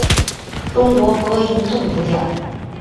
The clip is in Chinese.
中国播音政府奖。